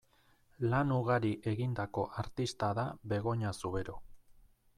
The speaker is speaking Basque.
Lan ugari egindako artista da Begoña Zubero.